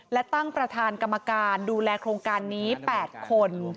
และตั้งประธานกรรมการดูแลโครงการนี้๘คน